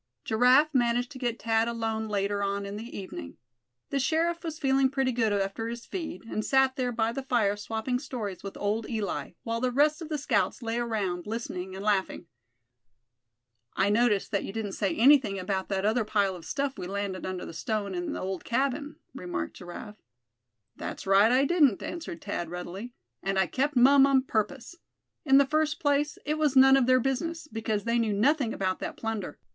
Giraffe managed to get Thad alone later on in the evening. The sheriff was feeling pretty good after his feed, and sat there by the fire swapping stories with old Eli, while the rest of the scouts lay around, listening and laughing. "I noticed that you didn't say anything about that other pile of stuff we landed under the stone in the old cabin?" remarked Giraffe. "That's right, I didn't," answered Thad, readily; "and I kept mum on purpose. In the first place, it was none of their business, because they knew nothing about that plunder.